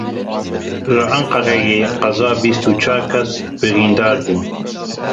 Li Enqereyê qeza bîst û çar kes birînadar bûn.